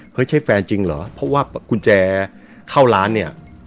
ใช่แฟนจริงเหรอเพราะว่ากุญแจเข้าร้านเนี่ย